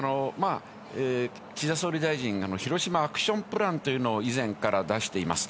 岸田総理大臣、広島アクションプランというのを以前から出しています。